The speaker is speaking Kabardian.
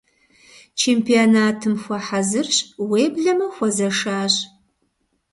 Чемпионатым хуэхьэзырщ, уеблэмэ хуэзэшащ.